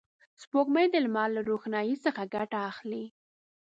سپوږمۍ د لمر له روښنایي څخه ګټه اخلي